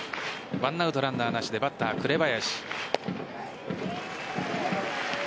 １アウトランナーなしでバッター・紅林。